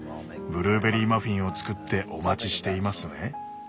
ブルーベリーマフィンを作ってお待ちしていますね」。